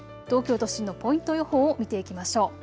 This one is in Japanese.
東京都心のポイント予報を見ていきましょう。